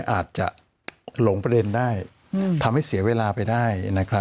อาจจะหลงประเด็นได้ทำให้เสียเวลาไปได้